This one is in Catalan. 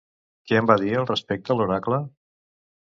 Què en va dir al respecte l'oracle?